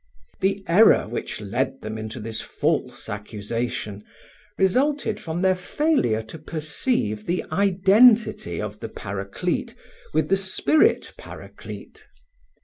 The error which led them into this false accusation resulted from their failure to perceive the identity of the Paraclete with the Spirit Paraclete.